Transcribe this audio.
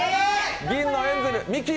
銀のエンゼル、ミキ！